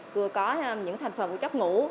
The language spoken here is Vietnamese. vừa có những thành phần của chất ngũ